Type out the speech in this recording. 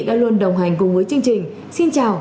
đã luôn đồng hành cùng với chương trình xin chào